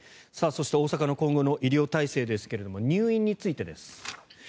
そして大阪の今後の医療体制ですが入院についてです。